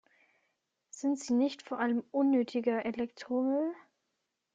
Sind sie nicht vor allem unnötiger Elektromüll?